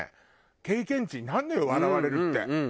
経験値になるのよ笑われるって。